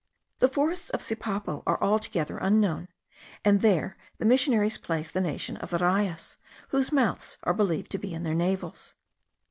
The forests of Sipapo are altogether unknown, and there the missionaries place the nation of the Rayas,* whose mouths are believed to be in their navels.